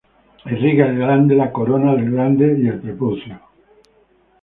Irriga el glande, la corona del glande y el prepucio.